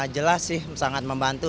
jelas sih sangat membantu